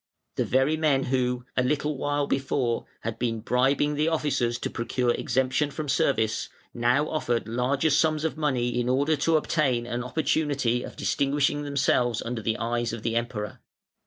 The very men who, a little while before, had been bribing the officers to procure exemption from service, now offered larger sums of money in order to obtain an opportunity of distinguishing themselves under the eyes of the Emperor.